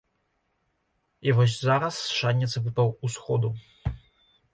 І вось зараз шанец выпаў усходу.